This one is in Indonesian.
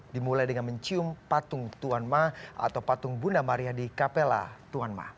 dimulai dengan mencium patung tuan ma atau patung bunda maria di capella tuan ma